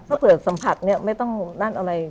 ถ้าเผื่อสัมผัสเนี่ยไม่ต้องนั่นอะไร